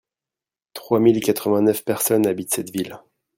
Trois mille quatre-vingt-neuf personnes habitent cette ville.